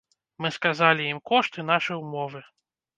Мы сказалі ім кошт і нашы ўмовы.